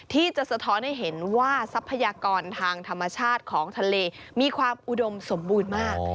สะท้อนให้เห็นว่าทรัพยากรทางธรรมชาติของทะเลมีความอุดมสมบูรณ์มาก